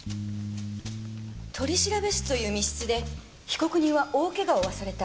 取調室という密室で被告人は大ケガを負わされた。